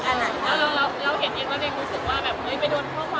แล้วเห็นกันว่าเธอยังรู้สึกว่าแบบมันไปโดนข้อความ